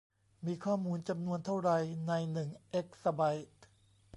มีข้อมูลจำนวนเท่าไรในหนึ่งเอกซะไบท์